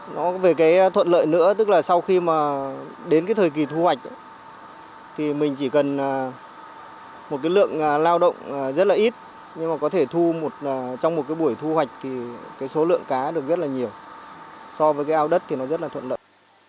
nó về cái thuận lợi nữa tức là sau khi mà đến cái thời kỳ thu hoạch thì mình chỉ cần một cái lượng lao động rất là ít nhưng mà có thể thu trong một cái buổi thu hoạch thì cái số lượng cá được rất là nhiều so với cái ao đất thì nó rất là thuận lợi